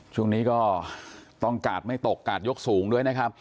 ช่วงนี้ก็ต้องกาดไม่ตกกาดยกสูงด้วยนะครับ